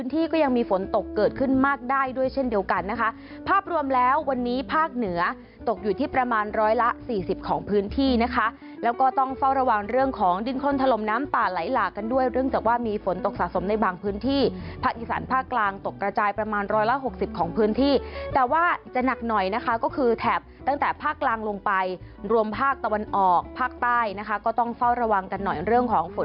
ที่ก็ยังมีฝนตกเกิดขึ้นมากได้ด้วยเช่นเดียวกันนะคะภาพรวมแล้ววันนี้ภาคเหนือตกอยู่ที่ประมาณร้อยละ๔๐ของพื้นที่นะคะแล้วก็ต้องเฝ้าระวังเรื่องของดินคลนถล่มน้ำป่าไหลหลากันด้วยเรื่องจากว่ามีฝนตกสะสมในบางพื้นที่ภาคอีสานภาคกลางตกกระจายประมาณร้อยละ๖๐ของพื้นที่แต่ว่าจะหนักหน่อยนะคะก็คือ